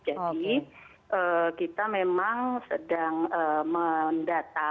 jadi kita memang sedang mendatang